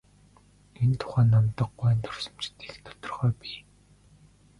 Энэ тухай Намдаг гуайн дурсамжид их тодорхой бий.